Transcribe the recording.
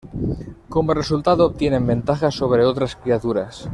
Como resultado, obtienen ventajas sobre otras criaturas.